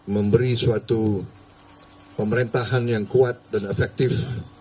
memberi suatu pemerintahan yang kuat dan efektif